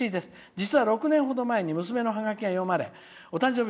実は６年ほど前に娘のハガキが読まれお誕生日